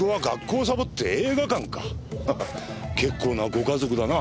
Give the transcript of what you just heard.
ハハハ結構なご家族だな。